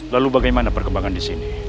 lalu bagaimana perkembangan di sini